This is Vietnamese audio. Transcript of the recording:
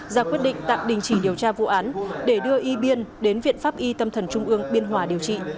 ra quyết định tạm đình chỉ điều tra vụ án để đưa y biên đến viện pháp y tâm thần trung ương biên hòa điều trị